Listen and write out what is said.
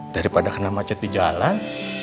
daripada kena macet di jalan